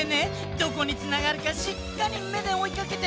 どこにつながるかしっかりめでおいかけて。